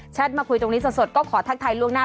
มาคุยตรงนี้สดก็ขอทักทายล่วงหน้า